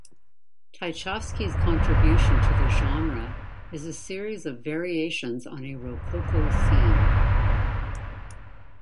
Tchaikovsky's contribution to the genre is a series of Variations on a Rococo Theme.